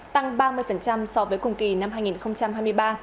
tăng ba mươi so với cùng kỳ năm hai nghìn hai mươi ba